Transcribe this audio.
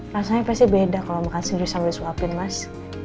rasanya pasti beda kalau makan sendiri sambil suapin mas